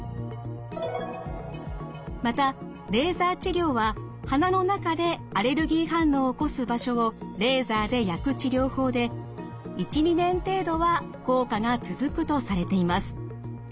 またレーザー治療は鼻の中でアレルギー反応を起こす場所をレーザーで焼く治療法で１２年程度は効果が続くとされています。